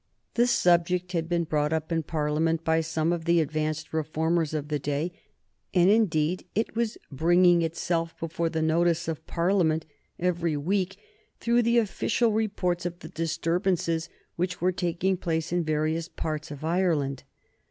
The subject had been brought up in Parliament by some of the advanced reformers of the day, and, indeed, it was bringing itself before the notice of Parliament every week through the official reports of the disturbances which were taking place in various parts of Ireland.